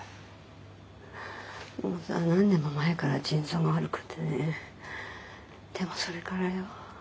もうさ何年も前から腎臓が悪くてねでもそれからよ。